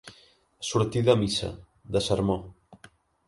Sortir de missa, de sermó.